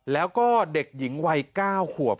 แล้วก็เด็กหญิงวัย๙ขวบ